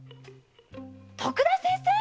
徳田先生